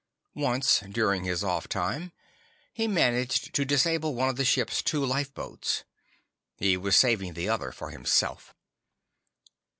Once, during his off time, he managed to disable one of the ship's two lifeboats. He was saving the other for himself.